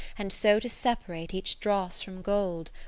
And so to separate each dross from gold.